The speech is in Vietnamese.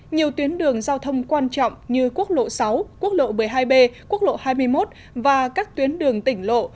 nhiều tuyến đường giao thông quan trọng như quốc lộ sáu quốc lộ một mươi hai b quốc lộ hai mươi một và các tuyến đường tỉnh lộ